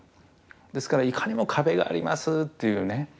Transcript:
ですからいかにも「壁があります」っていうね